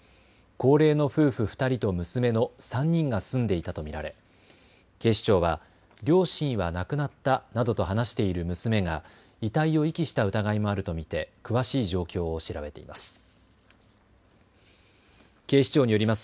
高齢の夫婦２人と娘の３人が住んでいたと見られ警視庁は両親は亡くなったなどと話している娘が遺体を遺棄した疑いもあると見て詳しい状況を調べています。